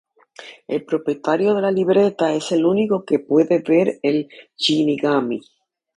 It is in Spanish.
El propietario de la libreta es el único que puede ver al shinigami.